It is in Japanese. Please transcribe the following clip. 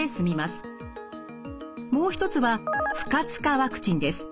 もう一つは不活化ワクチンです。